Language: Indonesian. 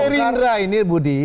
berindra ini budi